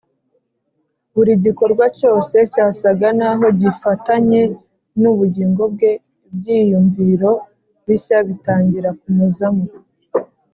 . Buri gikorwa cyose cyasaga n’aho gifatanye n’ubugingo bwe. Ibyiyumviro bishya bitangira kumuzamo